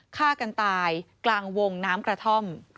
ฆ่ากันตายกลางวงน้ำกระท่อม